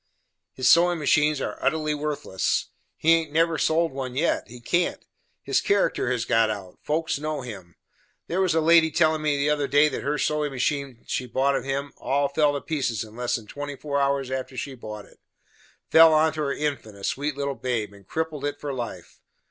"His sewin' machines are utterly worthless; he haint never sold one yet; he cant. His character has got out folks know him. There was a lady tellin' me the other day that her machine she bought of him, all fell to pieces in less than twenty four hours after she bought it; fell onto her infant, a sweet little babe, and crippled it for life.